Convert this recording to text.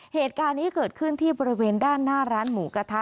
เหตุการณ์นี้เกิดขึ้นที่บริเวณด้านหน้าร้านหมูกระทะ